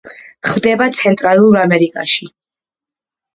გვხვდება ცენტრალურ ამერიკაში.